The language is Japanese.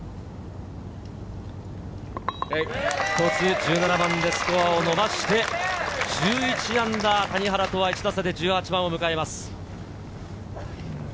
１７番でスコアを伸ばして、−１１、谷原とは１打差で１８番を迎えます。